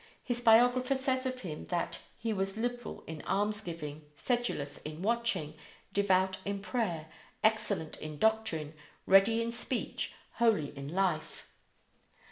His biographer says of him that "he was liberal in almsgiving, sedulous in watching, devout in prayer, excellent in doctrine, ready in speech, holy in life."